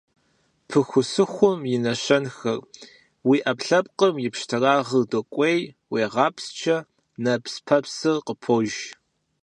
Пыхусыхум и нэщэнэхэр: уи Ӏэпкълъэпкъым и пщтырагъыр докӀуей, уегъапсчэ, нэпс-пэпсыр къыпож.